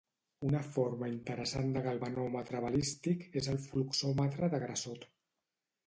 Una forma interessant de galvanòmetre balístic és el fluxòmetre de Grassot.